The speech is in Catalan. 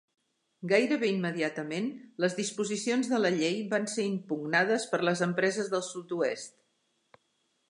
Gairebé immediatament, les disposicions de la llei van ser impugnades per les empreses del sud-oest.